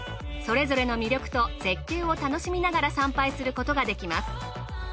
それぞれの魅力と絶景を楽しみながら参拝することができます。